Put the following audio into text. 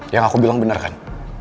yang aku bilang benar kan